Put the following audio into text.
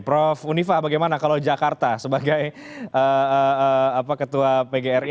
prof unifa bagaimana kalau jakarta sebagai ketua pgri